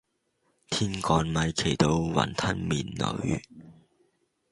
天降米奇到雲吞麵裏